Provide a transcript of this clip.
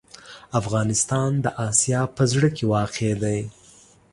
افغانستان د اسیا په زړه کې واقع دی.